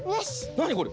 なにこれ？